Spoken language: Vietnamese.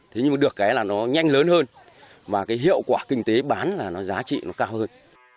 thế nhưng mà được cái là nó nhanh lớn hơn mà cái hiệu quả kinh tế bán là nó giá trị nó cao hơn